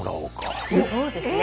そうですね。